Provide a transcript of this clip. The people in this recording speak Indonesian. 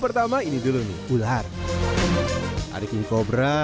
pertama ini dulu nih ular adiknya kobra